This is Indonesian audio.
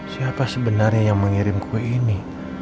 siapa sebenarnya yang mengirim kue ini